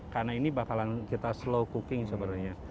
karena ini bakalan kita slow cooking sebenarnya